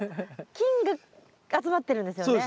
菌が集まってるんですよね？